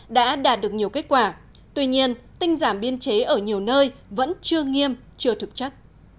đã đạt được nhiều kết quả tuy nhiên tinh giảm biên chế ở nhiều nơi vẫn chưa nghiêm chưa thực chất